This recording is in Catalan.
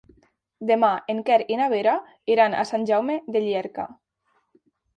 Demà en Quer i na Vera iran a Sant Jaume de Llierca.